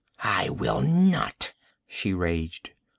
'I will not!' she raged.